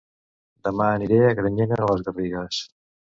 Dema aniré a Granyena de les Garrigues